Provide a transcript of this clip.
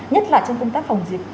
nhất là trong công tác phòng dịch